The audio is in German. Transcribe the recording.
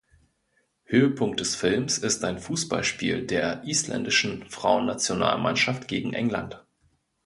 Höhepunkt des Films ist ein Fußballspiel der isländischen Frauennationalmannschaft gegen England.